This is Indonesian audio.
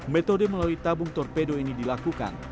metode melalui tabung torpedo ini dilakukan